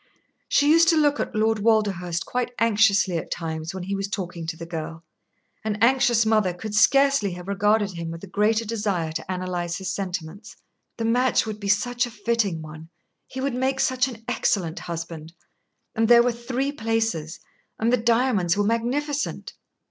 She used to look at Lord Walderhurst quite anxiously at times when he was talking to the girl. An anxious mother could scarcely have regarded him with a greater desire to analyse his sentiments. The match would be such a fitting one. He would make such an excellent husband and there were three places, and the diamonds were magnificent.